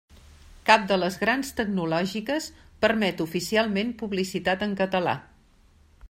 Cap de les grans tecnològiques permet oficialment publicitat en català.